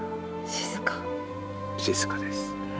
静かです。